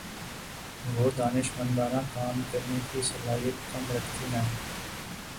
وہ دانشمندانہ کام کرنے کی صلاحیت کم رکھتی ہیں